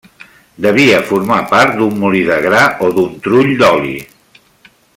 Devia formar part d'un molí de gra o d'un trull d'oli.